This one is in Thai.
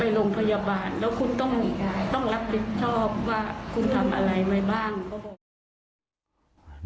แล้วคุณต้องต้องรับผิดชอบว่าคุณทำอะไรไหมบ้างเขาบอก